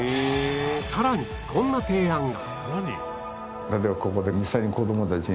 さらにこんな提案が